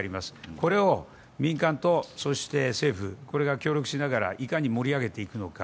これを民間と政府これが協力しながらいかに盛り上げていくのか